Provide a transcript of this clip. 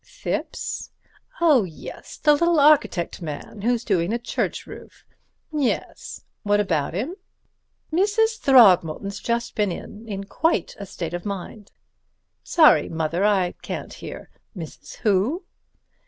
"Thipps? Oh, yes, the little architect man who's doing the church roof. Yes. What about him?" "Mrs. Throgmorton's just been in, in quite a state of mind." "Sorry, Mother, I can't hear. Mrs. Who?"